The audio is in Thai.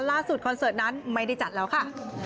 คอนเสิร์ตนั้นไม่ได้จัดแล้วค่ะ